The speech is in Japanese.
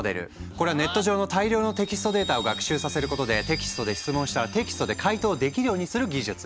これはネット上の大量のテキストデータを学習させることでテキストで質問したらテキストで回答できるようにする技術。